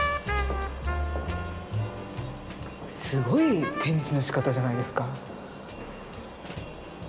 すごい展示のしかたじゃないですか。